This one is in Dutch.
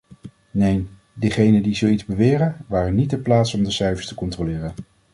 Neen, degenen die zoiets beweren, waren niet ter plaatse om de cijfers te controleren.